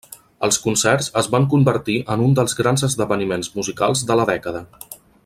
Els concerts es van convertir en un dels grans esdeveniments musicals de la dècada.